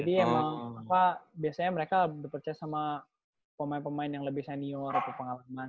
jadi emang pak biasanya mereka berpercaya sama pemain pemain yang lebih senior atau pengalaman